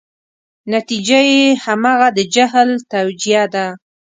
نتیجه یې همغه د جهل توجیه ده.